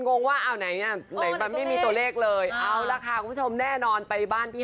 งงว่าเอาไหนอ่ะไหนมันไม่มีตัวเลขเลยเอาล่ะค่ะคุณผู้ชมแน่นอนไปบ้านพี่